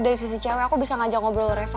dari sisi cewek aku bisa ngajak ngobrol reva